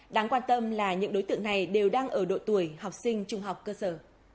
đáng quan tâm là những đối tượng này đều đang ở độ tuổi học sinh trung học cơ sở